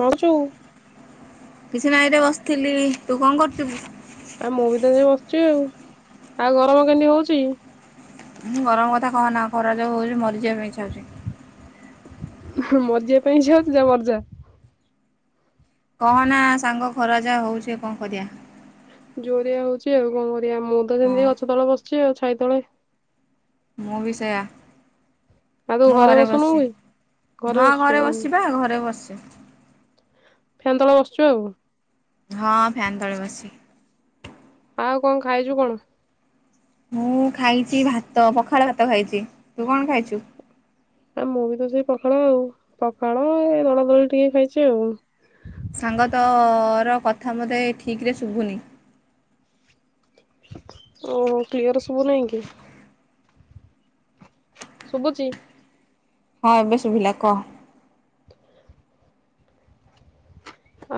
କଅ କରୁଚୁ? କିଛି ନାଇଁ ରେ ବସିଥିଲି। ତୁ କଣ କରୁଥିବୁ? ଆଉ ମୁଁ ବି ତ ସେଇ ବସିଛି ଆଉ। ଆଉ ଗରମ କେମିତି ହଉଛି? ମୁଁ ଗରମ କଥା କହନା ଖରା ଯୋଉ ହଉଛି ମରିଯିବା ପାଇଁ ଇଚ୍ଛା ହଉଛି। ମରଯିବା ପାଇଁ ଇଚ୍ଛା ହଉଚି ଯା ମର୍ଜା। କହନା ସାଙ୍ଗ ଖରା ଯାହା ହଉଛି କଣ କରିଆ। ଜୋରିଆ ହଉଛି ଆଉ କଣ କରିବା, ମୁତ ହଁ ଯେମିତି ଗଛ ତଳେ ବସିଛି ଆଉ ଛାଇ ତଳେ। ମଁ ବି ସେୟା। ଆଉ ତୁ ମୁଁ ଘରେ ବସୁନୁ କି ବସିଚି ହଁ ଘରେ ବସିଚିପା ଘରେ ବସିଚି। ଫ୍ୟାନ୍ ତଳେ ବସିଚୁ ଆଉ? ହଁ ଫ୍ୟାନ୍ ତଳେ ବସିଚି। ଆଉ କଣ ଖାଇଚୁ କଣ? ମୁଁ ଖାଇଛି ଭାତ, ପଖାଳ ଭାତ ଖାଇଛି, ତୁ କଣ ଖାଇଛୁ? ଆ ମୁଁ ବି ତ ସେଇ ପଖାଳ ଆଉ, ପଖାଳ ଏ ଦଳା ଦଳି ଟିକେ ଖାଇଛି ଆଉ। ସାଙ୍ଗତୋର କଥା ମୋତେ ଠିକ୍ ରେ ଶୁଭୁନି? ଉଁ କ୍ଲିଅର ସବୁନେଇଁ କି? ଶୁବୁଚି। ହଁ ଏବେ ଶୁଭିଲା କହ?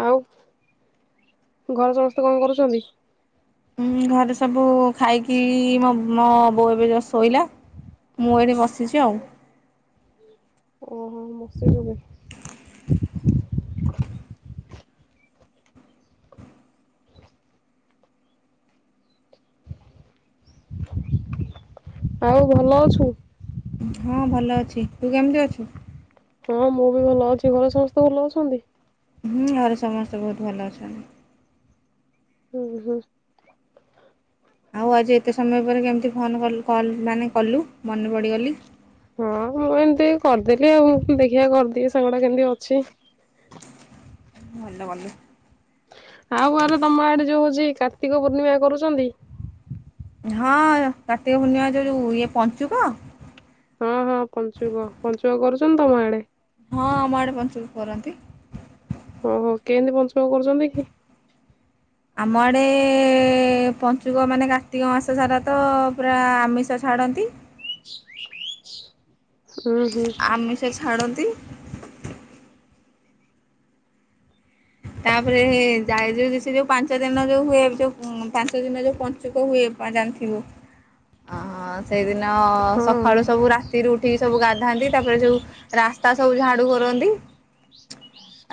ଆଉ ଘରେ ସମସ୍ତେ କଣ କରୁଛନ୍ତି? ହୁଁ ଘରେ ସବୁ ଖାଇକି ମୋ ମୋ ବୋଉ ଏବେ ଯଷ୍ଟ୍ ଶୋଇଲା। ମୁଁ ଏଇଠି ବସିଛି ଆଉ। ଓହୋ ହୋ ମଶାଟାରେ। ଆଉ ଭଲ ଅଛୁ? ହଁ ଭଲ ଅଛି। ତୁ କେମିତି ଅଛୁ? ହଁ ମୁଁ ବି ଭଲ ଅଛି। ଘରେ ସମସ୍ତେ ଭଲ ଅଛନ୍ତି? ହୁଁ ଘରେ ସମସ୍ତେ ବହୁତ୍ ଭଲ ଅଛନ୍ତି। ଉଁ! ହୁଁ! ଆଉ ଆଜି ଏତେ ସମୟ ପରେ କେମିତି ଫୋନ୍ କଲୁ କଲ୍ ମାନେ କଲୁ ମନେ ପଡ଼ିଗଲି? ହଁ ମୁଁ ଏମିତି ଏଇ କରିଦେଲି ଆଉ। ଦେଖିବା କରିଦିଏ ସାଙ୍ଗଟା କେମିତି ଅଛି। ଭଲ କଲୁ। ଆଉ ଆରେ ତମ ଆଡେ ଯୋଉ ହୋଉଛି, କାର୍ତ୍ତିକ ପୂର୍ଣ୍ଣିମା କରୁଛନ୍ତି? ହଁ କାର୍ତିକ ପୂର୍ଣ୍ଣିମା ଯୋଉ ଇଏ ପଞ୍ଚୁକ? ହଁ ହଁ ପଞ୍ଚୁକ, ପଞ୍ଚୁକ କରୁଛନ୍ତି ତମ ଆଡେ? ହଁ ଆମ ଆଡେ ପଞ୍ଚୁକ କରନ୍ତି। ଓହୋ! କେମିତି ପଞ୍ଚୁକ କରୁଛନ୍ତି କି? ଆମଆଡ଼େ,,, ପଞ୍ଚୁକ ମାନେ କାର୍ତ୍ତିକ ମାସ ସାରା ତ ପୁରା ଆମିଷ ଛାଡ଼ନ୍ତି। ଏ ସାଇଟ୍ ଦେ ଉଁ ହୁଁ! ଆମିଷ ଛାଡ଼ନ୍ତି। ତାପରେ ଯାଇ ଯୋଉ ସେ ଯୋଉ ପାଞ୍ଚ ଦିନ ଯୋଉ ହୁଏ ଯୋଉ ପାଞ୍ଚ ଦିନ ଯୋଉ ପଞ୍ଚୁ ପଞ୍ଚୁକ ହୁଏ ଜାଣିଥିବୁ, ହଁ ସେଇଦିନ ହଁ ସକାଳୁ ସବୁ ରାତି। ରାତିରୁ ଉଠିକି ସବୁ ଗାଧାନ୍ତି, ତାପରେ ଯୋଉ ରାସ୍ତା ସବୁ ଝାଡୁ କରନ୍ତି।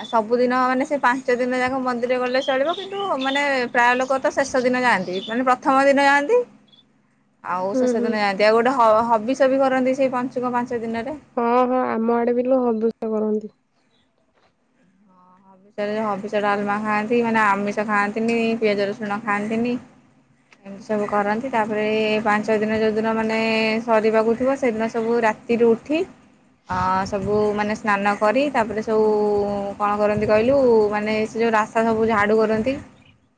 ଆଉ ସବୁଦିନ ମାନେ ସେ। ପାଞ୍ଚ ଦିନ ଯାକ ମନ୍ଦିର ଗଲେ ଚଳିବ, କିନ୍ତୁ ମାନେ ପ୍ରାୟ ଲୋକ ତ ଶେଷ ଦିନ ଯାଆନ୍ତି, ମାନେ ପ୍ରଥମ ଦିନ ଯାଆନ୍ତି। ଆଉ ସେ ହୁଁ ହୁଁ ସେଦିନ ଯାଆନ୍ତି ଆଉ ଗୋଟେ ହଁ ହବିଷ ବି କରନ୍ତି ସେଇ ପଞ୍ଚୁକ ପାଞ୍ଚ ଦିନରେ। ହଁ ହଁ ଆମ ଆଡେ ବି ଲୋକ ହବିଷ କରନ୍ତି। ସିଆଡେ ହବିଷ ଡାଲମା ଖାଆନ୍ତି, ମାନେ ଆମିଷ ଖାଆନ୍ତିନି, ପିଆଜ ରସୁଣ ଖାଆନ୍ତିନି। ହୁଁ! ସବୁ କରନ୍ତି, ତାପରେ ପାଞ୍ଚ ଦିନ ଯେଉଁଦିନ ମାନେ ସରିବାକୁ ଥିବ, ସେଦିନ ସବୁ ରାତି ରାତିରୁ ଉଠି ସବୁ ମାନେ ସ୍ନାନ କରି ତାପରେ ସବୁ କଣ କରନ୍ତି? କହିଲୁ ମାନେ ସେ ଯୋଉ ରାସ୍ତା ସବୁ ଝାଡୁ କରନ୍ତି।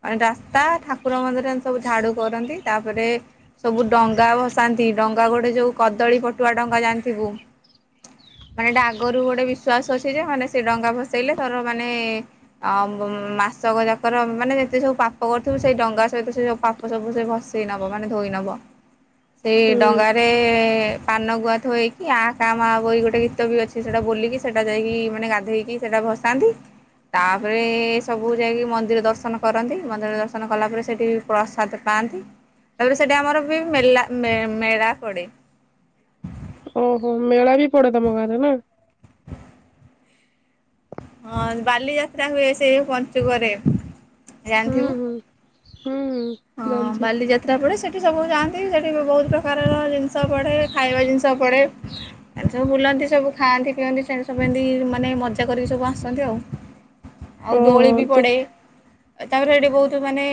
ଆଉ ରାସ୍ତା ଠାକୁର ମନ୍ଦିରରେ ସବୁ ଝାଡୁ କରନ୍ତି ତାପରେ ସବୁ ଡଙ୍ଗା ଭସାନ୍ତି ଡଙ୍ଗା ଗୋଟେ ଯୋଉ କଦଳୀ ପଟୁଆ ଡଙ୍ଗା ଜାଣିଥିବୁ। ମାନେ ଏଇଟା ଆଗରୁ ଗୋଟେ ବିଶ୍ଵାସ ଅଛି ଯେ ମାନେ ସେ ଡଙ୍ଗା ଭସେଇଲେ ତୋର ମାନେ ଆ ମାସକ ଯାକର ମାନେ ଯେତେ ସବୁ ପାପ କରୁଥିବୁ ସେଇ ଡଙ୍ଗା ସହିତ ସେ ପାପ। ସବୁ ସେ ଭସେଇ ନବ ମାନେ ଧୋଇ ନବ ସେଇ ହୁଁ ଡଙ୍ଗାରେ। ପାନ ଗୁଆଥୋଇକି ଆ କା ମା ବୋଇ ଗୋଟେ ଗୀତ ବି ଅଛି ସେଟା ବୋଲିକି ସେଟା ଯାଇକି ମାନେ ଗାଧେଇକି। ସେଇଟା ଭସାନ୍ତି। ତାପରେ ସବୁ ଯାଇକି ମନ୍ଦିର ଦର୍ଶନ କରନ୍ତି ମନ୍ଦିର ଦର୍ଶନ କଲା ପରେ ସେଠି ପ୍ରସାଦ ପାଆନ୍ତି। ତାପରେ ସେଠି ଆମର ବି ମେଲା ମେଳା ପଡେ। ଓହୋ ମେଳା ବି ପଡେ ତମ ଗାଁରେ ନାଁ। ହଁ ବାଲିଯାତ୍ରା ହୁଏ ସେ ପଞ୍ଚୁକରେ ହୁଁ ଜାଣିଥିବୁ? ହୁଁ ହୁଁ। ହଁ ଜାଣିଛି ବାଲିଯାତ୍ରା ପଡେ ସେଠି ସବୁ ଯାଆନ୍ତି ସେଠି ବହୁତ ପ୍ରକାରର ଜିନ୍ ଷ ପଢ଼େ ଖାଇବା ଜିନିଷ ପଢ଼େ। ଏମନ୍ତି ସବୁ ବୁଲନ୍ତି ସବୁ ଖାଆନ୍ତି ପିଅନ୍ତି ସେ ସବୁ ଏମିତି ମାନେ ମଜା କରିକି ସବୁ ଆସନ୍ତି ଆଉ। ଆଉ ଦୋଳି ଓହୋ ବି ତୁ ପଡେ ତାପରେ ଏଠି ବହୁତ ମାନେ।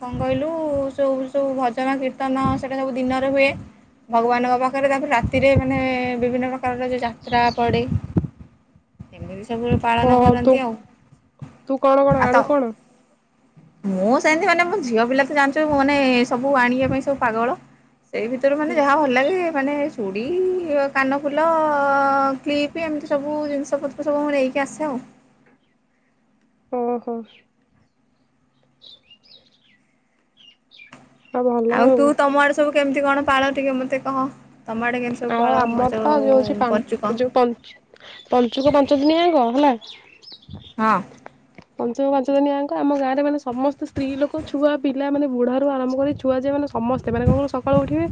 କଣ କହିଲୁ ସବୁ ସବୁ ଭଜନ କୀର୍ତ୍ତନ ସେଇଟା ସବୁ ଦିନରେ ହୁଏ। ଭଗବାନଙ୍କ ପାଖରେ ତାପରେ ରାତିରେ ମାନେ ବିଭିନ୍ନ ପ୍ରକାରର ଯୋଉ ଯାତ୍ରା ପଡେ। ଏମିତି ସବୁବେଳେ ପାଳନ ଓହୋ ତୁ କରନ୍ତି ଆଉ ତୁ କଣ କଣ ଆଉ ଆଣୁ ତ କଣ? ମୁଁ ସେମିତି ମାନେ ମୁଁ ଝିଅ ପିଲା ତ ଜାଣିଛୁ ମାନେ ସବୁ ଆଣିବା ପାଇଁ ସବୁ ପାଗଳ ସେଇ ଭିତରୁ ମାନେ ଯାହା। ଭଲ ଲାଗେ ମାନେ ଚୁଡ଼ି କାନଫୁଲ କ୍ଲିପ୍ ଏମିତି ସବୁ ଜିନିଷ ପ ଏ ସବୁ ମୁଁ ନେଇକି ଆସେ ଆଉ। ଓହୋ। ଆଉ ତୁ ତମ ଆଡେ ସବୁ କେମିତି କଣ ପାଳ ଟିକେ ମତେ କହ। ତମ ଆଡ଼େ କେମିତି ସବୁ ଆଉ ପାଳ ମ ଆମର ତ ଯୋଉ ସେ ପଞ୍ଚୁକ ପାଞ୍ଚ ଯୋଉ ପଞ୍ଚ। ପଞ୍ଚୁକ ପାଞ୍ଚ ଦିନି ଆଗ ହେଲା। ହଁ। ପଞ୍ଚମ ପାଞ୍ଚ ଦିନିଆଙ୍କ ଆମ ଗାଁରେ ମାନେ ସମସ୍ତ ସ୍ତ୍ରୀ ଲୋକ ଛୁଆ ପିଲାନେ ବୁଢାରୁୁ ଆରମ୍ଭ କରି ଛୁଆ ଯାଏ ମାନେ। ସମସ୍ତେ ମାନେ କଣ କହିଲୁ ସକାଳୁ ଉଠିବେ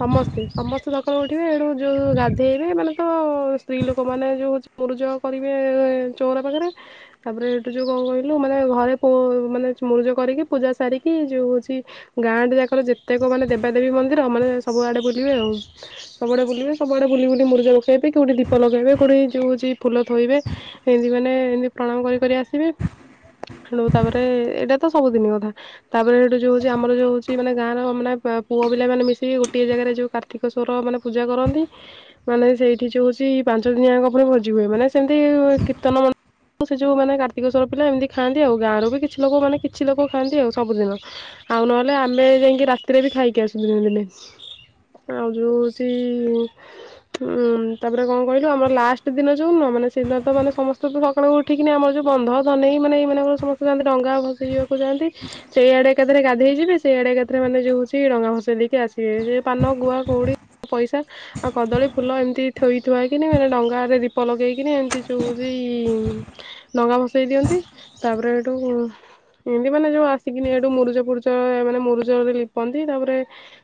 ସମସ୍ତେ ସମସ୍ତେ। ସକାଳୁ ଉଠିବେ ଏଣୁ ଯୋଉ ଗାଧେଇବେ ମାନେ ତ ସ୍ତ୍ରୀ ଲୋକମାନେ ଯୋଉ ମୋରୁଜ। କରିବେ ଚାଉଁରା ପାଖରେ। ତାପରେ ଏଠୁ ଯୋଉ କ କହିଲୁ ମାନେ ଘରେ ମାନେ ମୁର୍ଜ କରିକି ପୂଜା ସାରିକି ଯୋଉ ହଉଛି। ଗାଁଟେ ଯାଙ୍କର ଯେତେକ ମାନେ ଦେବାଦେବୀ ମନ୍ଦିର ମାନେ ସବୁ ଆଡେ ବୁଲିବେ ଆଉ। ସବୁଆଡେ ବୁଲିବେ ସବୁଆଡେ ବୁଲି ବୁଲି ମୂର୍ଜ ପକେଇବେ କୋଉଠି ଦୀପ ଲଗେଇବେ କୋଉଠି ଯୋଉ ହଉଛି ଫୁଲଥୋଇବେ। ଏମତି ମାନେ ଏମତି ପ୍ରଣାମ କରି କରି ଆସିବେ। ତେଣୁ ତାପରେ ଏଇଟା ତ ସବୁଦିନି କଥା। ତାପରେ ସେଇଠୁ ଯୋଉ ହଉଛି ଆମର ଯୋଉ ହଉଛି ମାନେ ଗାଁର ମାନେ ପା ପୁଅ ପିଲା ମାନ ମିଶିକି ଗୋଟେ ଜାଗାରେ ଯୋଉ କାର୍ତ୍ତି ଶ୍ୱର ମାନେ ପୂଜା କରନ୍ତି। ମାନେ ସେଇଠି ଯୋଉ ହଉଛି ପାଞ୍ଚ ଦିନି ଯାଙ୍କ ପୁଣି ଭୋଜି ହୁଏ ମାନେ ସେମିତି କୀର୍ତ୍ତନ ମ ମୁଁ ସେ ଯୋଉ ମାନେ କାର୍ତିକ ସ୍ୱର ପିଲା ଏମିତି ଖାଆନ୍ତି ଆଉ ଗାଁରୁ ବି କିଛି ଲୋକ ମାନେ କିଛି ଲୋକ ଖାଆନ୍ତି ଆଉ ସବୁଦିନ। ଆଉ ନହେଲେ ଆମେ ଯାଇକି ରାତିରେ ବି ଖାଇକି ଆସୁ ଦିନେ ଦିନେ। ଆ ଯୋଉ ସେ ଉୁ ତାପରେ କଣ କହିଲୁ ଆମର ଲାଷ୍ଟ ଦିନ ଯୋଉ ନୁହଁ ମାନେ ସେଇଦିନ ତ ମାନେ ସମସ୍ତେ ତ ସକାଳୁ ଉ। ଉଠିକିନା ଆମର ଯୋଉ ବନ୍ଧ ଧନେଇ ମାନେ ଏଇ ମାନଙ୍କର ସମସ୍ତେ ଯାନ୍ତି ଡଙ୍ଗା ଭସେଇଆକୁ ଯାଆନ୍ତି ସେଇଆଡେ। ଏକାଥରେ ଗାଧେଇଯିବେ ସେଇଆଡେ ଏକଥରେ ଡଙ୍ଗା ଭାସେଇ ଦେଇକି ଆସିବେ, ସେ ଯୋଉ ପାନ ଗୁଆ, କଉଡ଼ି, ପଇସା ଆଉ କଦଳୀ ଫୁଲ ଏମିତି ଥୋଇ ଥିଆ କିିନି ମାନେ ଡଙ୍ଗାରେ ଦୀପ ଲଗେଇକିନି ଏମିତି ଯୋଉ ହଉଛି ଡଙ୍ଗା ଭସେଇ ଦିଅନ୍ତି ତାପରେ ଏଇଠୁ ଏମିତି ମାନେ ଯୋଉ ଆସିକିନି ଏଇଠୁ ମୁରୁଜ ଫୁରୁଜ ମାନେ ମୁରୁଜରେ ଲିପନ୍ତି ତାପରେ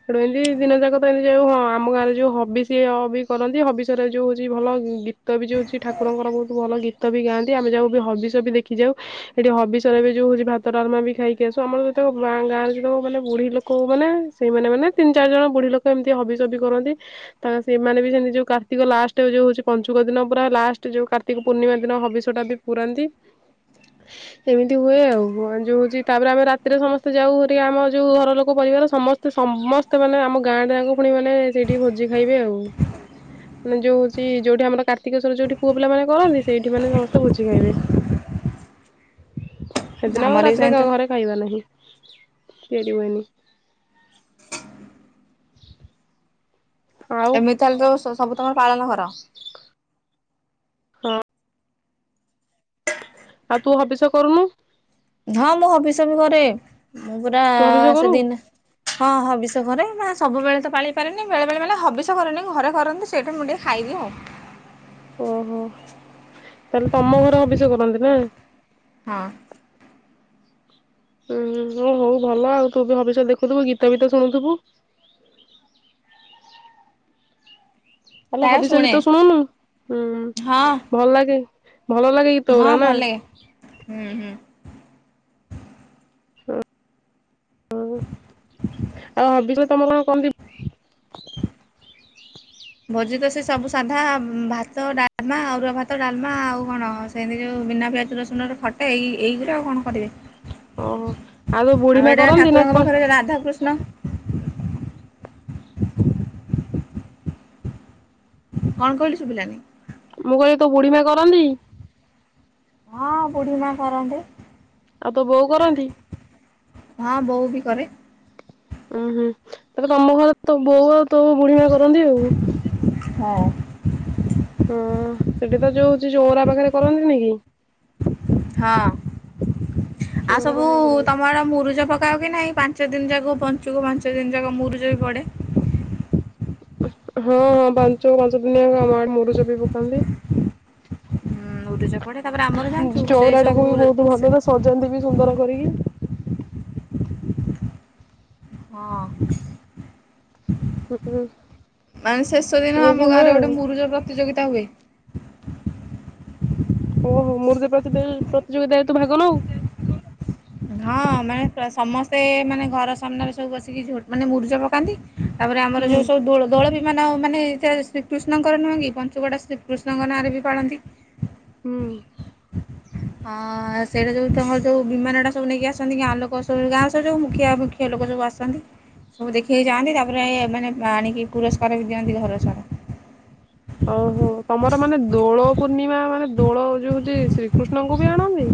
ସେଠୁ ଏମିତି ଦିନ ଯାକ ତ ଏମିତି ଯଉ ହଁ ଆମ ଗାଁରେ ଯୋଉ ହବି ସିଏ ବି କରନ୍ତି ହବି ରେ ଯଉଛି ଭଲ ଗୀତ ବି ଯଉଛି ଠାକୁରଙ୍କର ବହୁତ ଭଲ ଗୀତ ଗୀତ ବି ଗାଆନ୍ତି ଆମେ ଯଉ ବି ହବି ସବ ବି ଦେଖି ଯାଉ। ଏଠି ହବିଷୟରେ ବି ଯୋଉ ହଉଛି ଭାତ ଡାଲମା ବି ଖାଇକି ଆସୁ ଆମର ଯେତେଳେଁ ଗାଁରେ ଯେତେକ ମାନେ ବୁଢୀ ଲୋକ ମାନେ ସେଇମାନେ ମାନେ ତିନି ଚାରି ଜଣ ବୁଢୀ ଲୋକ ଏମତି ହବିସ ବି କରନ୍ତି। ତା ସେମାନେ ବି ସେମତି ଯୋଉ କାର୍ତ୍ତିକ ଲାଷ୍ଟ ଯୋଉ ହଉଛି ପଞ୍ଚୁକ ଦିନ ପୁରା ଲାଷ୍ଟ ଯୋଉାର୍ତିକ ପୂର୍ଣ୍ଣିମା ଦିନ ହବିଷତ ବି ପୁରାନ୍ତି। [inaudible] ଏମିତି ହୁଏ ଆଉ ଯଉ ହଉଛି ତାପରେ ଆମେ ରାତିରେ ସମସ୍ତେ ଯାଉରିକ ଆମ ଯୋଉ ଘର ଲୋକ ପରିବାର ସମସ୍ତେ ତ ସମସ୍ତେ ମାନେ ଆମ ଗାଁଟ ଗାକୁ ପୁଣି ମାନେ ସେଇଠି ଭୋଜି ଖାଇବେ ଆଉ। ମାନେ ଯଉ ହଉଛି ଯଉଠି ଆମର କାର୍ତିକ ସ୍ୱର ଜୋଉଠି ପୁଅ ପିଲାମାନେ କରନ୍ତି ସେଠି ମାନେ ସମେସ୍ତେ ଭୋଜି ଖାଇବେ। [inaudible] ସେଦିନ ଆଉ ଆମର ବି ରାତିରେ ସେମିତି ଘରେ ଖାଇବା ନାହିଁ ତିଆରି ହୁଏନି। ଆଉ ଏମିତି ତାହେଲେ ତୁ ସବୁ ତମର ପାଳନ କର। ହଁ ଆଉ ତୁ ହବିଷ କରୁନୁ। ହଁ ମୁଁ ହବିଷ ବି କରେ ମୁଁ ପୁରା ତୁ ହବିଷ କରୁ ସେଦିନ ହଁ, ହବିଷ କରେ ମାନେ ସବୁବେଳେ ତ ପାଳି ପାରେନି ବେଳେ ବଳେ ମାନେ ହବିଷ କରେନି ଘରେ କରନ୍ତି। ସେଇଟା ମୁଁ ଟିକେ ଖାଇବି ଆଉ। ଓହୋ ତାହେଲେ ତମ ଘରେ ହବିଷ କରନ୍ତି ନା? ହଁ। ଉୁଁ ଓ ହଉ ଭଲ ଆଉ ତୁ ବି ଭବିଷ୍ୟତ ଦେଖୁଥିବୁ ଗୀତା ବୀତା ସୁନୁଥିବୁ। ଆଲେ ପ୍ରାୟ ହବିଷ ଶୁଣେ ଗୀତ ଶୁଣୁନୁୁଁ ହଁ ଭଲ ଲାଗେ ଭଲ ଲାଗେ। ଗୀତ ହଁ ଗୁରା ନା ଭଲ ଲାଗେ ହୁଁ, ହୁଁ। ହ ହ ଆଉ ହବିିଶ ତମର କଣ କହନ୍ତି ଭୋଜି ତ ସେ ସବୁ ସାଧା ଭାତ, ଡାଲମା, ଅରୁଆ ଭାତ, ଡାଲମା, ଆଉ କଣ ସେମିତି ଯୋଉ ବିନା ପିଆଜ ରସୁଣ ରେ ଖଟା ଏଇ ଏଇ ଗୁରା ଆଉ କଣ କରିବେ। ଓହୋ ତୋ ବୁଢୀ ଆଉ ମା ଏଇଟା କରନ୍ତି ନା ଠାକୁରଙ୍କ କ ପାଖରେ ରାଧାକୃଷ୍ଣ କଣ କହିଲୁ ଶୁଭିଲାନି? ମୁଁ କହିଲି ତ ବୁଢୀମା କରନ୍ତି। ହଁ ବୁଢୀ ମା କରନ୍ତି। ଆଉ ତ ବୋଉ କରନ୍ତି? ହଁ ବୋଉ ବି କରେ। ଉଁ ହୁଁ ତାପରେ ତମ ଘରେ ତ ବୋଉ ଆଉ ତୋ ବୁଢୀମା କରନ୍ତି ଆଉ। ହଁ। ହଁ ସେଠି ତ ଯୋଉ ଚଉରା ପାଖରେ କରନ୍ତିନି କି। ହଁ ଆଉ ଚଉରା ସବୁ ପାଖରେ ତମ କରନ୍ତି ତମର ମୁରୁଜ ପକାଉ କି ନାହିଁ ପାଞ୍ଚ ଦିନ ଯାକ ପଞ୍ଚୁକ ପାଞ୍ଚ ଦିନ ଯାକ ମୁରୁଜ ବି ପଡେ। ହଁ, ହଁ, ପଞ୍ଚୁକ ପାଞ୍ଚ ଦିନି ଯାକ ଆମଆଡ଼େ ମୁରୁଜ ବି ପକାନ୍ତି। ହୁଁ ମୁରୁଜ ପଡ଼େ ତାପରେ ଆମର ଜାଣିଛୁ ସେଇ ଚଉରା ସବୁ ଟାକୁ ବି ବହୁତ ସେ ଭଲ ତ ସଜାନ୍ତି ବି ସୁନ୍ଦର କରିକି। ହଁ। ହୁଁ [inaudible] ମାନେ ଶେଷ ଦିନ ଏମିତି ଆମ ଗାଁ ହୁଏ ରେ ଆଉ ଗୋଟେ ମୁରୁଜ ପ୍ରତିଯୋଗିତା ହୁଏ। ଓହୋ ମୁରୁଜ ପ୍ରତିଦିଲ୍ ପ୍ରତିଯୋଗିତାରେର ତୁ ଭାଗ ନଉ। ହଁ ମାନେ ସମସ୍ତେ ମାନେ ଘର ସାମ୍ନାରେ ସବୁ ବସିକି ଝୋ ମାନେ ମୁରୁଜ ପକାନ୍ତି। ତାପରେ ଆମର ହୁଁ। ଯୋଉ ସବୁ ଦୋଳ ଦୋଳ ବି ମାନ ମାନେ [unintelligible] ଶ୍ରୀକୃଷ୍ଣଙ୍କର ନୁହଁ କି ପଞ୍ଚୁକଡ଼ଟା ଶ୍ରୀକୃଷ୍ଣଙ୍କ ନାଁରେ ବି ପାଳନ୍ତି। ହୁଁ। ହଁ ସେଇଟା ଯୋଉ ତମର ଯୋଉ ବିମାନ ଟା ସବୁ ନେଇକି ଆସନ୍ତି। ଗାଁଲୋକ ସବୁ ଗାଁ ସବୁ ଯୋଉ ମୁଖିଆ ମୁଖି ଏ ଲୋକ ସବୁ ଆସନ୍ତି। ସବୁ ଦେଖିକି ଯାଆନ୍ତି। ତାପରେ ଏମାନେ ଆଣିକି ପୁରସ୍କାର ବି ଦିଅନ୍ତି ଘର ସାରା। ଓହୋ ତମର ମାନେ ଦୋଳ ପୂର୍ଣ୍ଣିମା ମାନେ ଦୋଳ ଯୋଉ ହଉଛି ଶ୍ରୀକୃଷ୍ଣଙ୍କୁ ବି ଆଣନ୍ତି।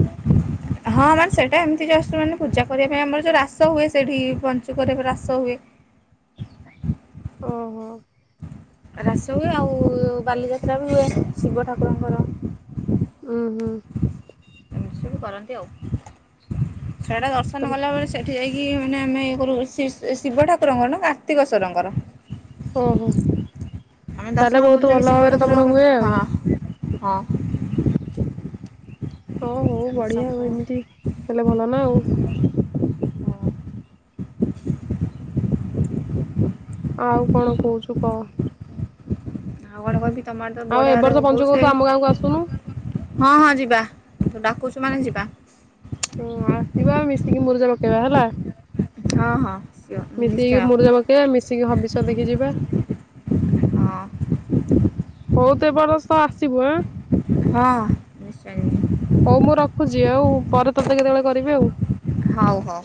ହଁ ମାନେ ସେଇଟା ଏମିତି ଜଷ୍ଟ ମାନେ ପୂଜା କରିବା ପାଇଁ ଆମର ଯୋଉ ରାସ ହୁଏ ସେଠି ପଞ୍ଚୁକ ରାସ ହୁଏ। ଓହୋ। ରାସ ହୁଏ ଆଉ ବାଲିଯାତ୍ରା ବି ହୁଏ। ଶିବ ଠାକୁରଙ୍କର। ହୁଁ ହୁଁ। ବି କରନ୍ତି ଆଉ ସେଆଟା ଦର୍ଶନ ତାହେଲେ କଲା ବଳେ ସେଠି ଯାଇକି ମାନେ ଆମେ ଇଏ କରୁ ଶିବ ଠାକୁରଙ୍କର ନା କାର୍ତ୍ତିକଶ୍ବରଙ୍କର। ଓହୋ ଆମେ ତାହେଲେ ଦର୍ଶନ ବହୁତ କରୁ ଭଲ ଯାଇକି ଶିବ ଭାବରେ ତମର ଠାକୁରଙ୍କ ପାଖରେ। ହୁଏ ଆଉ। ହଁ। ହଁ। ହଁ ହଉ ଏମିତି ବଢ଼ିଆ ହେଉ ସବୁ ଏମିତି ହେଲେ ଭଲ ନା ଆଉ। ଆଉ କଣ କହୁଛୁ କହ। ଆଉ କଣ କହିବି ତମର ଆଡେତ ଆଉ ଏ ବଢିଆରେ ବର୍ଷ ପଞ୍ଚୁକ ହଉଛେ। ତୁ ଆମ ଗାଁକୁ ଆସୁନୁ ହଁ ହଁ ଯିବା। ତୁ ଡାକୁଛୁ ମାନେ ଯିବା। ହ ଆସିବା ମିଶିକି ମୁରୁଜା ପକେଇବା ହେଲା। ହଁ ହଁ ସିଓର ନିଶ୍ଚୟ ମିଶିକି ମୁରୁଜା ପକେଇ କେଇବା ମିଶିକି ହବିଷ୍ୟ ଦେଖି ଯିବା। ହଁ ହଉ ତ ଏ ବରଷ ଆସିବୁ ଆ। ହଁ। ନିଶ୍ଚୟ। ହଉ ମୁଁ ରଖୁଛି ଆଉ। ପରେ ତତେ କେତେବେଳେ କରିବି ଆଉ। ହଉ ହଉ।